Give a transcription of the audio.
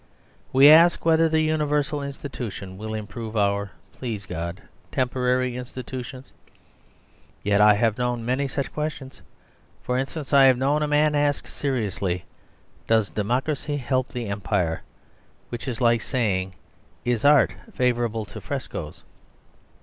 We ask whether the universal institution will improve our (please God) temporary institution. Yet I have known many such questions. For instance, I have known a man ask seriously, "Does Democracy help the Empire?" Which is like saying, "Is art favourable to frescoes?"